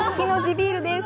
ビールです。